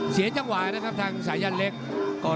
เสียจังหวะนะครับทางสายันเล็ก